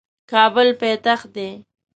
کابل پایتخت دی